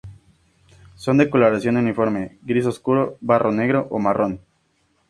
Son de coloración uniforme gris oscuro, barro negro o marrón.